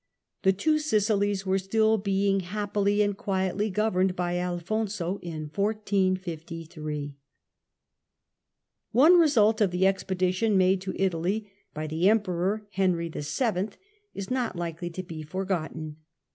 The two Sicilies were still being happily and quietly governed by Alfonso in 1453. History of One result of the expedition made to Italy by the '*° Emperor Henry VII. is not likely to be forgotten.